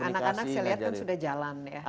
dan yang anak anak saya lihat sudah jalan ya